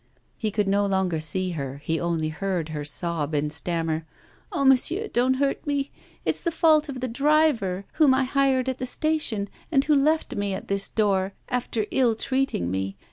He could no longer see her; he only heard her sob, and stammer: 'Oh, monsieur, don't hurt me. It's the fault of the driver, whom I hired at the station, and who left me at this door, after ill treating me.